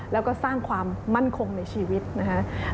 แล้วก็สร้างความมั่นคงในชีวิตนะครับ